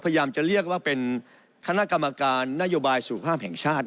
พยายามจะเรียกว่าเป็นคณะกรรมการนโยบายสุขภาพแห่งชาติ